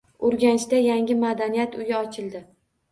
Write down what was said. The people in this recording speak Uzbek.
Urganchda yangi madaniyat uyi ochildi